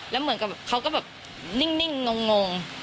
แล้วเหมือนกับเขาก็แบบนิ่งงง